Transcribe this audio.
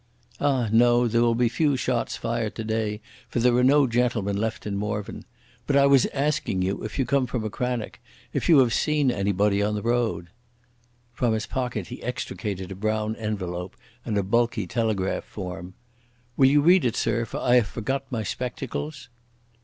"Ah, no. There will be few shots fired today, for there are no gentlemen left in Morvern. But I wass asking you, if you come from Achranich, if you haf seen anybody on the road." From his pocket he extricated a brown envelope and a bulky telegraph form. "Will you read it, sir, for I haf forgot my spectacles?"